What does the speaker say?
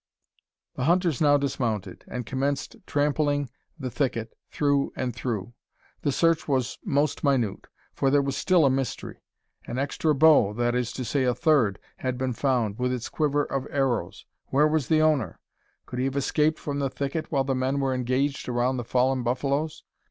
The hunters now dismounted, and commenced trampling the thicket through and through. The search was most minute, for there was still a mystery. An extra bow that is to say, a third had been found, with its quiver of arrows. Where was the owner? Could he have escaped from the thicket while the men were engaged around the fallen buffaloes?